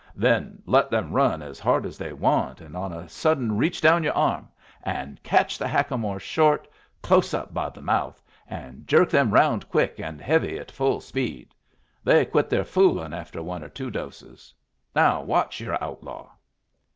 Then let them run as hard as they want, and on a sudden reach down your arm and catch the hackamore short, close up by the mouth, and jerk them round quick and heavy at full speed. They quit their fooling after one or two doses. Now watch your outlaw!"